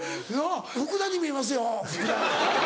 福田に見えますよ。